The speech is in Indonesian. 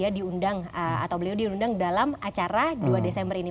dia diundang atau beliau diundang dalam acara dua desember ini